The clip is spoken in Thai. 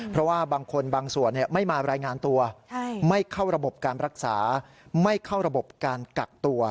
เพราะว่าบางคนบางส่วนไม่มารายงานตัวไม่เข้าระบบการรักษาไม่เข้าระบบการกักตัว